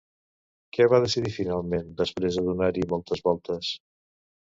Què va decidir finalment després de donar-hi moltes voltes?